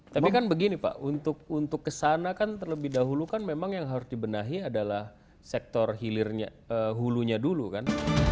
tapi kan begini pak untuk kesana kan terlebih dahulu kan memang yang harus dibenahi adalah sektor hulunya dulu kan